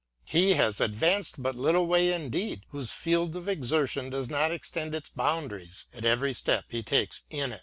He has advanced but little way indeed, whose field of exertion does not extend its boundaries at every step he takes in it.